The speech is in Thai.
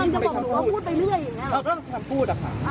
จะบอกหนูว่าพูดไปเรื่อยอย่างนั้นหรือ